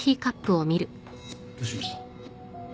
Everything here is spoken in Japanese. どうしました？